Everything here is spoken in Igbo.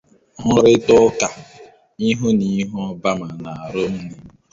Nrurita uka ihu na ihu Obama na Romney